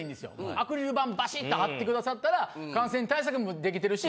アクリル板バシッとはってくださったら感染対策も出来てるし。